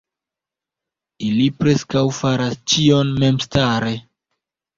Ili preskaŭ faras ĉion memstare.